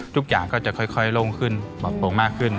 ทุกอย่างก็จะค่อยลงขึ้นปกโหงมากขึ้น